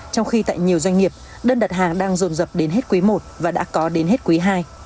trong khi tại nhiều doanh nghiệp đơn đặt hàng đang rồn rập đến hết quý i và đã có đến hết quý ii